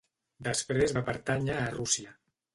Després va pertànyer a Rússia.